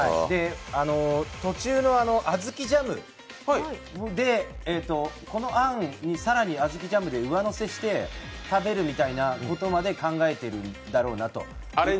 途中のあずきジャムで更にあずきジャムで上乗せして食べるみたいなことまで考えてるだろうなと。